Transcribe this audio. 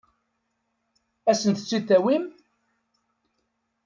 Ad asent-tt-id-tawim?